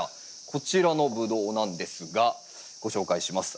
こちらのブドウなんですがご紹介します。